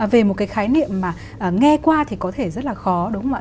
về một cái khái niệm mà nghe qua thì có thể rất là khó đúng không ạ